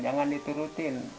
jangan itu rutin